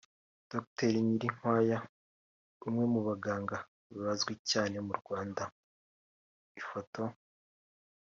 Dr Nyirinkwaya umwe mu baganga bazwi cyane mu Rwanda (Ifoto